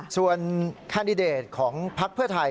ส่วนแคนดิเดตของพักเพื่อไทย